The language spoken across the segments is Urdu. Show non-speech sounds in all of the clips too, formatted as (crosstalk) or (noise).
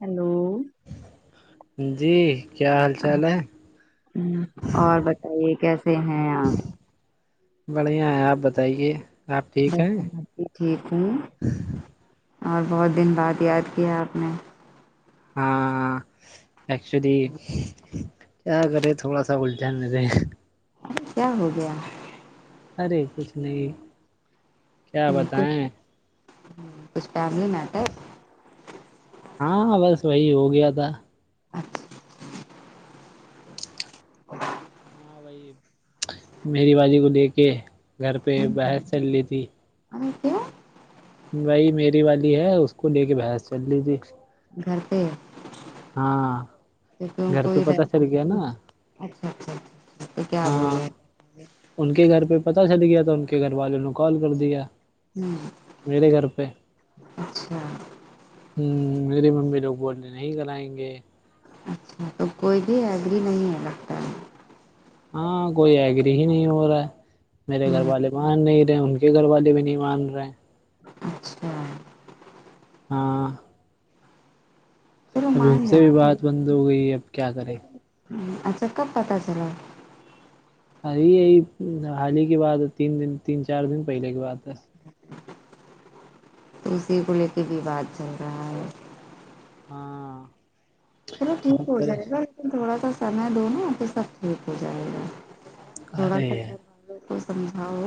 ہیلو جی کیا حال چال ہے ہ اور بتائیے کیسے ہیں آاں بڑھیا ہے آپ بتائیے آپ ٹھیک بس ہیں میں بھی ٹھیک ہوں اور بہت دن بعد یاد کیا آپ نے ہاں ایکچولی کیا کرے تھوڑا سا اللجھان نہیں رہے کیا ہو گیا ارے کچھ نہیں کیا ہ کچھ بتائیں ہ کچھ فیملی میٹر ہاں بس وہی ہو گیا تھا اچھ ا ہاں بھائی میری بازی کو لے کے گھر پہ باہر چل لیی تھی ا تو وہی میری والی ہے اس کو لے کے بحث چل لیج تی گھر پہ تو کی گھر پہ کوئی پتا اچھا چل گیا نا اچھا اچھا تو کیا ہاں بولے ہوں ان کے گھر پہ پتاہ چل گیا تو ان کے گھر والوں نے کال کر دیا ہوں میرے گھر پہ اچھا ہوں میری ممی لوگ بول ڈے نہیں کرائیں گے اچھا تو کوئی بھی ایگری نہیں ہے لگتا ہے ہاں کوئی ایگری ہی نہیں ہو رہا ہے میرے گھر ہوں والے مان نہیں رہے ان کے گھر والے بھی نہیں مان رہے اچھا ہاں چلو ابھی ان مان سے جائیں بھی بات بند ہو گئی ہے اب کیا کریں ہ اچھا کب پتا چلا ای یہی حال ہی کی بات ہے تین دن تین چار دن پہلے کی بات ہے تو اسی کو لے کے بھی بات چل رہا ہے ہاں چلو ٹھیک بہت ہو جائے پریش گا لیکن تھوڑا سا سمے دو نا پھر سب ٹھیک ہو جائے گا تھوڑا ارے سا ہے، کرواالو تو سمجھاؤ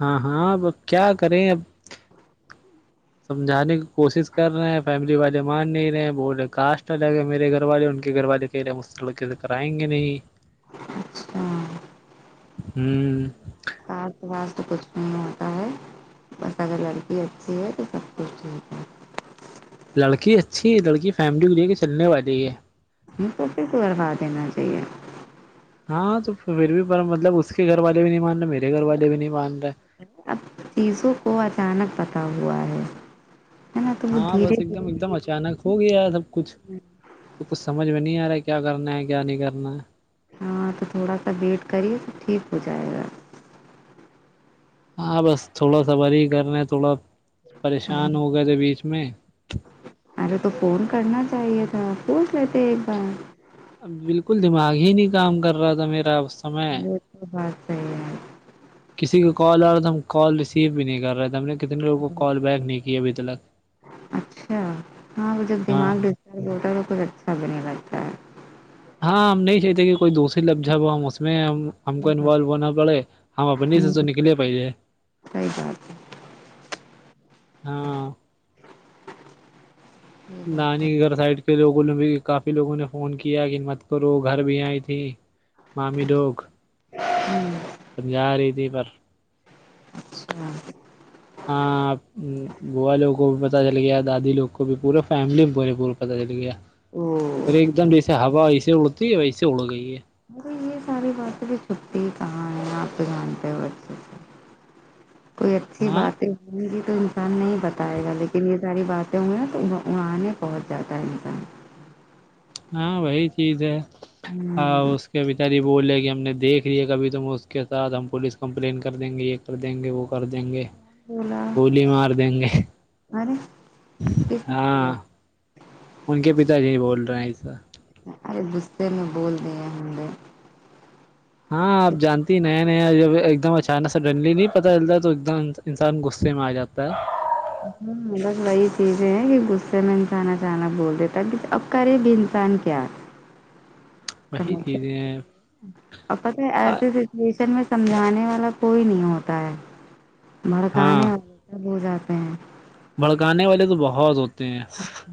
ہاں ہاں اب کیا کریں اب سمجھانے کی کوشش کر رہے ہیں فیملی والے مان نہیں رہے بولے کاسٹ الگ ہے میرے گھر والے ان کے گھر والے مستل کرائنی اچھا ہوں کار باس تو کچھ نہیں ہوتا ہے بس اگر لڑکی اچھی ہے تو سب کچھ ٹھیک ہے لڑکی اچھی ہے لڑکی فیملی کو لے کے چلنے والی ہے م کو پس کروا دینا چاہیے ہاں تو پھر بھی مطلب اس کے گھر والے بھی نہیں مان رہے میرے گھر والے بھی نہیں مان رہے اب چیزوں کو اچانک پتا ہوا ہے ہے نا تو وہ ہاں دھیرے بس ایک دم دھیرے چ ایک دم گئی اچانک ہو گیا ہے سب کچھ تو کچھ سمجھ میں نہیں آ رہا ہے کیا کرنا ہے کیا نہیں کرنا ہے ہاں تو تھوڑا سا ویٹ کریے تو ٹھیک ہو جائے گا ہاں بس تھوڑا س وور ہی کر رہے ہیں تھوڑا پریشان ہو گئے تھے بیچ میں ارے تو فون کرنا چاہیے تھا پوچ لیتے ایک بار اب بالکل دماغ ہی نہیں کام کر رہا تھا میرا سمے ا تو ہاں کسی کا کال آ رہا تھا ہم کال ریسیو بھی نہیں کر رہے تھے ہم نے کتنے لوگوں کو ہے کال بیک نہیں کی ابھی تلک اچھا ہاں وہ جب ہاں دماغ ڈ ہوتا ہے تو کچھ اچھا بھی نہیں لگتا ہے ہاں ہم نہیں چاہتے کہ کوئی دوسری لفظ ہے وہ ہم اس میں ہم ہم کو صحیح انوالو بات ہونا پڑے ہم اپنی سے تو نکلے پہے صی جتے ہیں ہاں صحیح بات نانی ہے گھر سائڈ کے لوگوں نے بھی کافی لوگوں نے فون کیا کہ مت کرو گھر بھی آئی تھی مامی لوگ ہوں سمجھا رہی تھی پر ہاں ہاں بوا لوگ کو بھی پتا چل گیا دادی لوگ کو بھی پورے فیملی میں پورے پورے پتا چل گیا او اور ایک دم جیسے ہوا ویسے اڑتی ہے ویسے اڑ گئی ہے ا یہ ساری بس بھی س پ ت آپ دکان پہ وورج کوئی اچھی ہاں بات ہے ی تو انسان نہیں بتائے گا لیکن یہ ساری باتیں ہوئی ہیںا تو اڑانے پہنچ جاتا ہے انسان ہاں وہی چیز ہے ہمم اس کہ ب تاری بول رہے کہ ہم نے دیکھ لییا ہے کبھی توم اس کے ساتھ ہم پولیس کمپلین کر دیں گے یہ کر دیں گے وہ کر دیں گے بولا گولی مار دیں گے ارے کس نے ہاں بولا ان کے پتا جی بول رہے ہیں ایسا ارے غصے میں بول دی ہیں ہم نےے ہاں آپ جانتی نیا نیا ایک دم اچانک سے ڈنلی لی انسان غصے میں ا جاتا ہے ہاں بس وہی چیزیں ہے کہ غصے میں انساننا چنا بول دیتا کرے بھی انسان کیا (unintelligible) چیزیں ہیں اپا تو ایسے شن میں سمجھانے والا کوئی نہیں ہوتا ہے ہاں بھڑکانے وال سب ہو جاتا ہوں بھڑکانے والے تو بہت ہوتے ہیں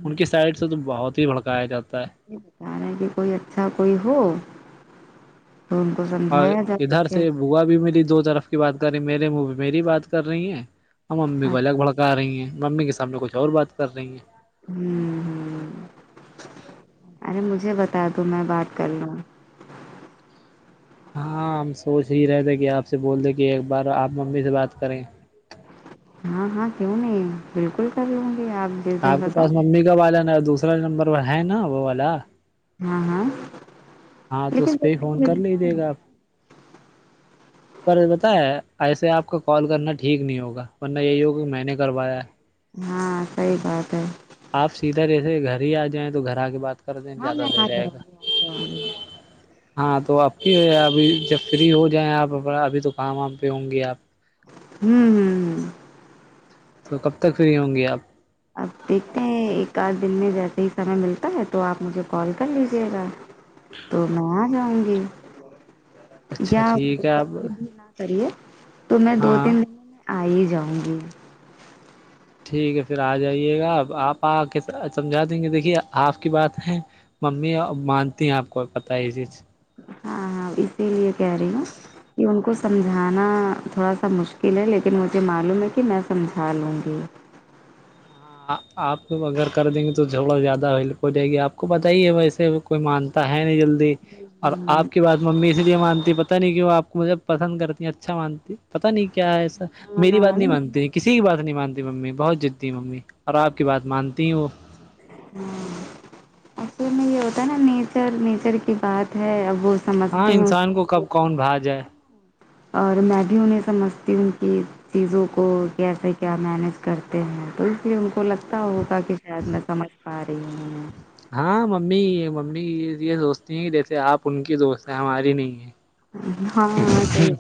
ان کی سائڈ سے تو بہت ہی بھڑکایا جاتا ہے یہ بتا رہے کہ کوئی اچھا کوئی ہو تو ان کو اور سمجھایا جا ادھر سکے سے بوا بھی میری دو طرف کی بات کر رہی میرے م میری بات کر رہی ہیں ہم امی کو ہمم الگ بھڑکا رہی ہیں ممی کے سامنے کچھ اور بات کر رہی ہیں ہوں ہ ارے مجھے بتا دو میں بات کر لوں ہوں ہاں ہم سوچ ہی رہے تھے کہ آپ سے بول دیں کہ ایک بار آپ ممی سے بات کریں ہاں ہاں کیوں نہیں بالکل کبھی ہوں گی آپ جس دن کے پاس بتاؤ ممی والا ن دوسرا نمبر ہے نا وہ والا ہاں ہاں ہاں تو لیکن اس پہ ہی جلدی فون کر ملتا لیجیے گا آپ ج نہیں پر بت ہے ایسے آپ کا کال کرنا ٹھیک نہیں ہوگا ورنہ یہی ہوگا کہ میں نے کروایا ہے ہاں صحی بات ہے آپ سیدھا جیسے گھر ہی آ جائیں تو گھر آ کے بع کرر دن ہاں زیادہ میں صحی آ رہے جاؤں گا گی آ جاؤں گی ہاں تو اب کی ابھی جب فری ہو جائیں آپ ابھی تو کاماں پہ ہوں گے آپ ہوں ہوں ہ تو کب تک فری ہوں گی آپ اب دیکھتے ہیں ایک آدھ دن میں جیسے ہی سمے ملتا ہے تو آپ مجھے کال کر لیجیے گا تو میں آ جاؤں گی اچھا ٹھیک ہے آپ کریے تو میں دو ہاں تین دن آ ہی جاؤں گی ٹھیک ہے پھر آ جائیے گا ا آپ آ کے سمجھا دیں گے دیکھیے آپ کی بات ہے ممی مانتی ہیں آپ کو پتا یہ چیز ہاں ہاں اسی لیے کہہ رہی ہوں کہ ان کو سمجھانا تھوڑا سا مشکل ہے لیکن مجھے معلوم ہے کہ میں سمجھا لوں گی ہاں آپ اگر کر دیں گے تو جگڑا زیادہ ہو جائے گی آپ کو بتائیے ویسے کوئی مانتا ہے نہیں جلدی اور آپ کی بات ممی اس لیے مانتی پتا نہیں کہ وہ آپ کو مجھے پسند کرتی اچھا مانتی پتا نہیں کیا ہے ایسا میری ہاں بات نہیں مانتی کسی کی بات نہیں مانتی ممی بہت جدی ممی اور آپ کی بات مانتی ہیں وہ ہ اصل میں یہ ہوتا ہے نا نیچر نیچر کی بات ہے ا وہ ہاں سمجھتے ہیں اس انسان چیز کو کب کون بھاگ جائے اور میں بھی انہیں سمجھتی ہوں کی چیزوں کو کیسے کیا مینیج کرتے ہیں تو اس لیے ان کو لگتا ہوگا کہ کے ساتھ میں سمجھ پا رہی ہوں ہاں ممی یہ ممی یہ یہ سوچتی ہیں کہ جیسے آپ ان کی دوست ہیں ہماری نہیں ہے ہاں وہ سیات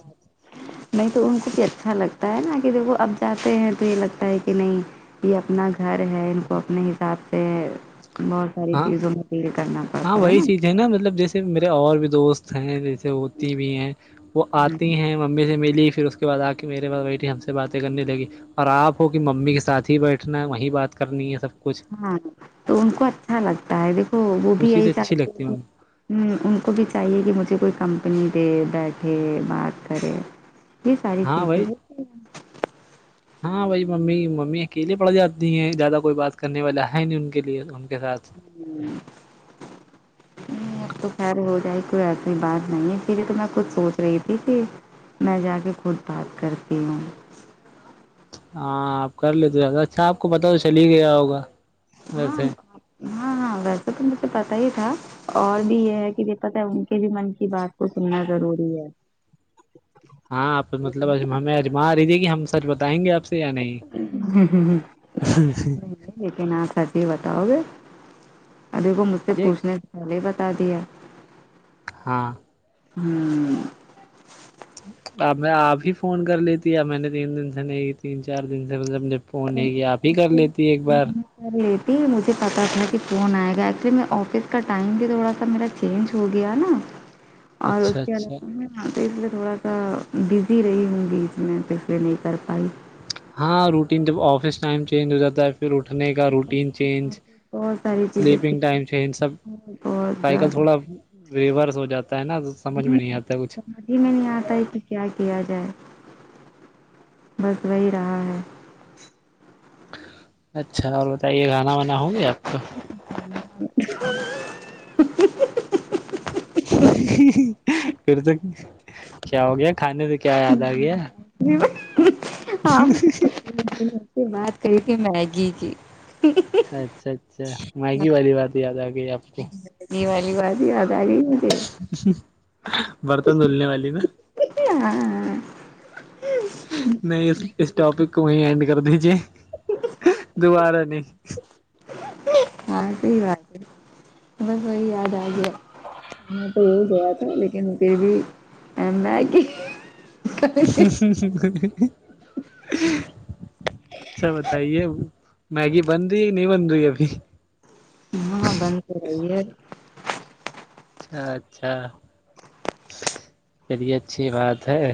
نہیں تو ان کو بھی اچھا لگتا ہے نا کہ دیک اب جاتے ہیں تو یہ لگتا ہے کہ نہیں یہ اپنا گھر ہے ان کو اپنے حساب سے بہت ساری چیزوں میں کےے کرنا پڑتا ہے نا جو نا مطلب جیسے میرے اور بھی دوست ہیں جیسے ہوتی بھی ہیں وہ آتی ہیں ممی سے ملی پھر اس کے بعد آ کے میرے بیٹے ہم سے باتیں کرنے لگی اور آپ ہو کہ ممی کے ساتھ ہی بیٹھنا ہے وہیں بات کرنی ہے سب کچھ ہاں تو ان کو اچھا لگتا ہے دیکھو وہ بھی چیز یہی اچھی چاہتے ہے لگتی کہ ممی ہ ان کو بھی چاہیے کہ مجھے کوئی کمپنی دے بیٹھے بات کرے یہ ساری ہاں چیز ہے بھائی ہاں بھائی ممی ممی اکیلے پڑ جاتی ہیں زیادہ کوئی بات کرنے والا ہے نہیں ان کے لیے ان کے ساتھ ع ں ہیں۔ اب تو خیر ہو جائے کوئی ایسی بات نہیں ہے پ یہ تو میں کچھ سوچ رہی تھی کہ میں جا کے خود بات کرتی ہوں ہاں آپ کر لیتے زیاد اچھا آپ کو پتا تو چل ہی گیا ہوگا ہاں ویسے ہاں ہاں ویسے تو مجھے پتا ہی تھا اور بھی یہ ہے کہ یہ پت ہے ان کے بھی من کی بات کو سننا ضروری ہے ہاں آپ مطلب ہمیں اجما رہی تھی کہ ہم سچ بتائیں گے آپ سے یا نہیں ہ ہ ہ ہ لیکن آپ سچ ہی بتاؤ گے ابھی کو مجھ سے یہ پوچھنے پہلے بتا دیا ہاں ہوں اب میں آپ ہی فون کر لی تھی اب میں نے تین دن سے نہیں تین چار دن سے مطب فون ہے کہ آپ ہی کر لیتی ایک بار کر لیتی مجھے پتا تھا کہ فون آئے گا ایکچولی میں آفس کا ٹائم بھی تھوڑا سا میرا چینج ہو گیا نا ج اور کیا ہاں تو اس لیے تھوڑا سا بزی رہی ہوں گی میں تو اس لیے نہیں کر پائی ہاں روٹین جب آفس ٹائم چینج ہو جاتا ہے پھر اٹھنے کا روٹین چینج بہت ساری چیزیں تھی، سلیپنگ ٹائم چ ان سب بہت سائیکل زیادہ تھوڑا ریورس ہو جاتا ہے نا سمجھ میں نہیں آتا ہے کچھ ادھی میں نہیں آتا ہے کہ کیا کیا جائے بس وہی رہا ہے اچھا اور بتائیے گانا وانا ہوں گے آپ کو ان (unintelligible) ں (unintelligible) پھر تو کیا ہو گیا کھانے میں کیا یاد آ گیا ج آ (unintelligible) ایک دن اس سے بات کری تھی میگی کی اچھا اچھا میگی والی بات یاد آ گئی آپ کو بنی والی بات ہی آد آ گئی ن برتن دھلنے والی نا ہاں ہاں نہیں اس اس ٹاپک کو ہی اینڈ کر دیجے دوبارہ نہیں ہاں سحی بات ہے بس وہی یاد آ گیا تو وہ گیا تھا لیکن پھر بھی ام ہے کہ ہ (unintelligible) اچھا بتائیے میگی بن رہئی نہیں بن رہئی ابھی ہاں بند تو رہی ہے اچھا اچھا چلیے اچھی بات ہے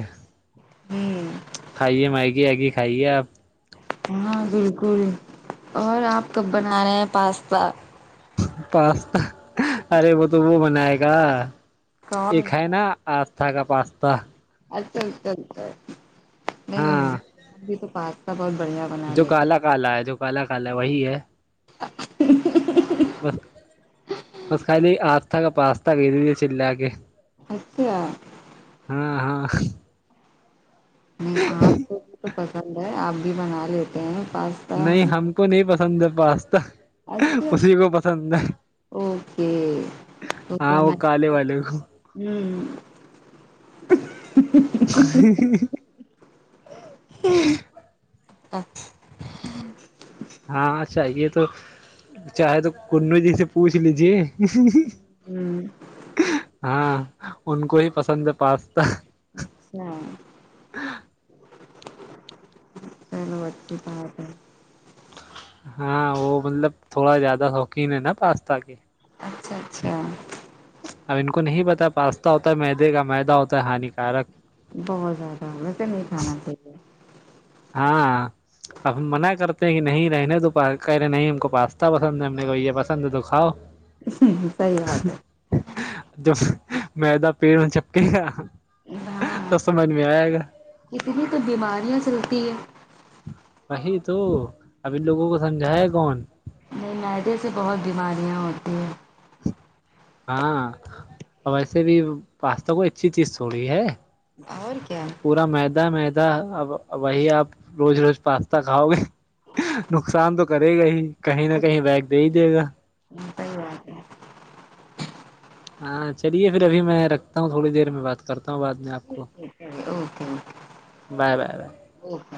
ہوں (unintelligible) کھائیے میگی آگی کھائیے آپ ہاں بالکل اور آپ کب بنا رہے ہیں پاستا پاستا ارے وہ تو وہ بنائے گا یہ کون ہے نا پاستا کا پاستا الل نہیں ہاں بھی تو پس بہت بڑھیا (unintelligible) جو ہیں کالا کالا ہے جو کالا کال ہے وہی ہے (unintelligible) بس بس خالی آسہ کا پاسہ بھی دیجیے چلہ کے اچھا (unintelligible) ہاں ہاں نہیں آپ کو بھی تو پسند ہے آپ بھی بنا لیتے ہیں پس نہیں ہم کو نہیں پسند ہے پاستا اچھا اسی کو پسند ہے اوکے تو کیا ہاں وہ کالے والے میگی کو ہوں ہ (unintelligible) اچ (unintelligible) ہاں چاہیے تو چاہے تو کنو جی سے پوچھ لیجیے اچھا ہاں ان کو ہی پسند ہے پاستا اچھا چلو اچھی بات ہے ہاں وہ مطلب تھوڑا زیادہ شوقین ہے نا پاستا کے اچھا اچھا اب ان کو نہیں پتا پاستا ہوتا ہے میدے کا مدہ ہوتا ہے ہانیکارک بہت زیادہ ہو ویسے نہیں کھانا چاہیے ہاں اب ہم منع کرتے ہیں کہ نہیں رہنے تو کہے نہیں ہم کو پاستا پسند ہے ہم کو یہ پسند ہے تو کھاؤ ہ سحی بات ہے جو میدا پیڑ میں چپکے گا ہاں تو سمج میں آیا گا اتنی تو بیماریاں چلتی ہیں وہی تو ابھی لوگوں کو سمجھایا کون نہیں معدے سے بہت بیماریاں ہوتی ہیں ہاں ویسے بھی پاستا کو اچھی چیز تھوڑی ہے اور کیا پورا مدا مدا اب وہی آپ روز روز پاستا کھاؤ گے نقصان تو کرے گا ہی کہیں نہ کہیں بیگ دے ہی دے گا ہ سی بات ہے ہاں چلیے پھر ابھی میں رکھتا ہوں تھوڑ دیر میں بات کر کرتا ہوں بعد میں آپ کو ٹھیک ہے بائے بائے بائے او ہو